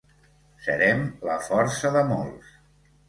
Serem la força de molts.